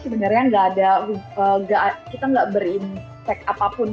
sebenarnya kita nggak berinspek apapun